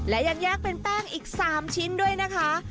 และยังแยกเป็นแป้งอีก๓ชิ้นด้วยนะคะ